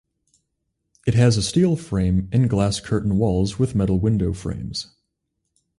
It has a steel frame and glass curtain walls with metal window frames.